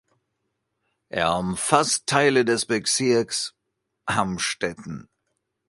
Er umfasst Teile des Bezirks Amstetten.